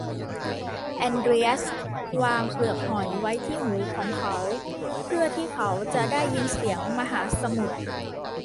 แอนเดรียสวางเปลือกหอยไว้ที่หูของเขาเพื่อที่เขาจะได้ยินเสียงมหาสมุทร